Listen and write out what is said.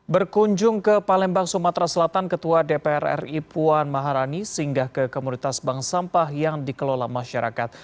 berkunjung ke palembang sumatera selatan ketua dpr ri puan maharani singgah ke komunitas bank sampah yang dikelola masyarakat